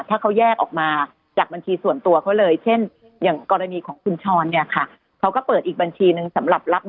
ถ้าเขาแยกออกมาจากบัญชีส่วนตัวเขาเลยเช่นอย่างกรณีของคุณช้อนเนี่ยค่ะ